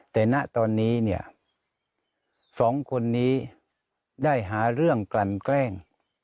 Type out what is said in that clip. แต่ณตอนนี้เนี่ยสองคนนี้ได้หาเรื่องกลั่นแกล้ง